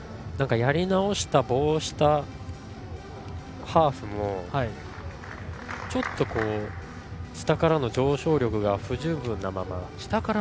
やり直した棒下ハーフもちょっと下からの上昇力が不十分なまま。